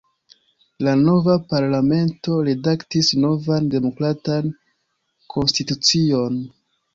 La nova Parlamento redaktis novan demokratan konstitucion.